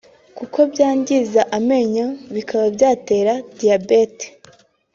kuko byangiza amenyo bikaba byatera diyabete